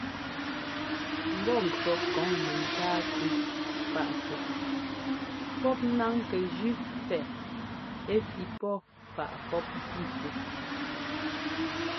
Mbɔ́ŋkʉɔ́ kɔŋ mɛntáa tʉ́ páꞌtɛ pɔ́p náŋ kɛ jʉ́ pɛ́ꞌɛ ɛ́ fí pɔ́ páꞌ pɔ́p mpfú.